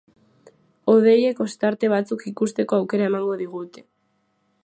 Hodeiek ostarte batzuk ikusteko aukera emango digute.